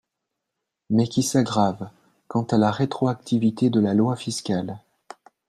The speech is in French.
mais qui s’aggravent, quant à la rétroactivité de la loi fiscale.